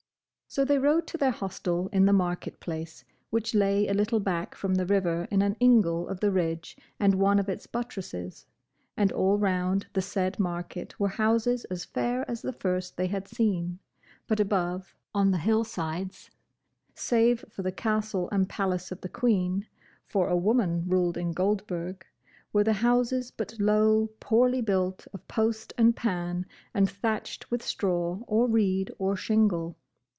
So they rode to their hostel in the market place, which lay a little back from the river in an ingle of the ridge and one of its buttresses; and all round the said market were houses as fair as the first they had seen: but above, on the hill sides, save for the castle and palace of the Queen (for a woman ruled in Goldburg), were the houses but low, poorly built of post and pan, and thatched with straw, or reed, or shingle.